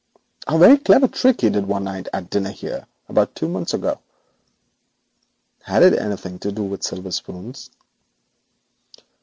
'A very clever trick he did one night at dinner here about two months ago.' 'Had it anything to do with silver spoons?'